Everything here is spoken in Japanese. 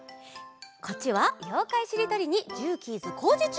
こっちは「ようかいしりとり」に「ジューキーズこうじちゅう！」。